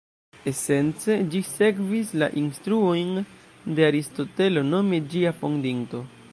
Esence, ĝi sekvis la instruojn de Aristotelo, nome ĝia fondinto.